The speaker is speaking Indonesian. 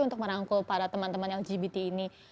untuk merangkul para teman teman lgbt ini